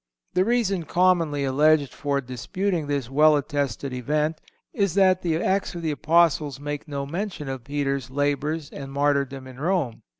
The reason commonly alleged for disputing this well attested event is that the Acts of the Apostles make no mention of Peter's labors and martyrdom in Rome.